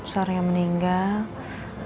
seorang yang meninggal